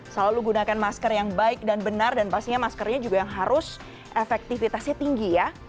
selalu gunakan masker yang baik dan benar dan pastinya maskernya juga yang harus efektivitasnya tinggi ya